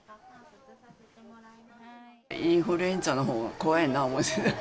インフルエンザのほうが怖いなと思って。